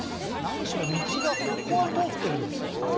何しろ道がここは通ってるんですよああ